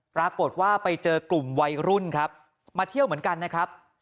ปรากฏว่าไปเจอกลุ่มวัยรุ่นครับมาเที่ยวเหมือนกันนะครับ